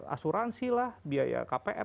asuransi lah biaya kpr